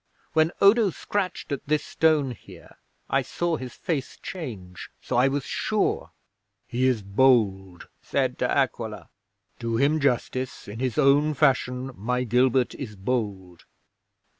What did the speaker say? When Odo scratched at this stone here, I saw his face change. So I was sure." '"He is bold," said De Aquila. "Do him justice. In his own fashion, my Gilbert is bold."